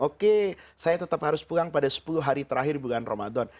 oke saya tetap harus pulang pada sepuluh hari terakhir bulan ramadan